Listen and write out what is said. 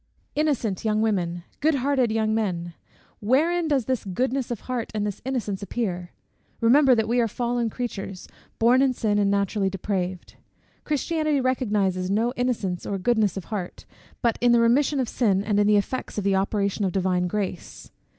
Innocent young women! Good hearted young men! Wherein does this goodness of heart and this innocence appear? Remember that we are fallen creatures, born in sin, and naturally depraved. Christianity recognises no innocence or goodness of heart, but in the remission of sin, and in the effects of the operation of divine grace.